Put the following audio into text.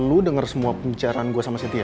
lo denger semua pembicaraan gue sama cynthia